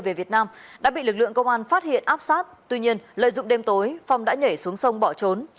về việt nam đã bị lực lượng công an phát hiện áp sát tuy nhiên lợi dụng đêm tối phong đã nhảy xuống sông bỏ trốn